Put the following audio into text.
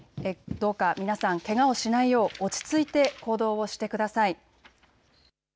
どうか皆さん、けがをしないよう落ち着いて行動をしてください。